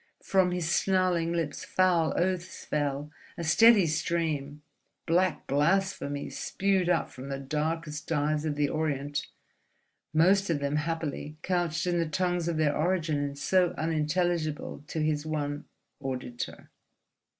From his snarling lips foul oaths fell, a steady stream, black blasphemies spewed up from the darkest dives of the Orient—most of them happily couched in the tongues of their origin and so unintelligible to his one auditor.